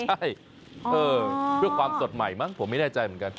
ใช่ตั้งแต่ว่าเป็นก้อนใหม่มั้งผมไม่แน่ใจเหมือนกัน